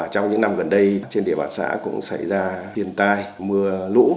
trong những năm gần đây trên địa bàn xã cũng xảy ra thiên tai mưa lũ